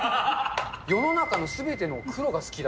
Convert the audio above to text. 世の中のすべての黒が好きだ。